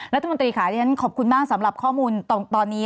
รัฐมนตรีค่ะที่ฉันขอบคุณมากสำหรับข้อมูลตอนนี้